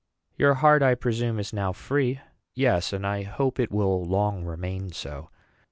"Your heart, I presume, is now free." "Yes, and I hope it will long remain so."